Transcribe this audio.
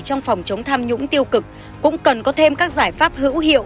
trong phòng chống tham nhũng tiêu cực cũng cần có thêm các giải pháp hữu hiệu